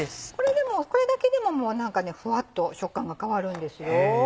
これだけでもふわっと食感が変わるんですよ。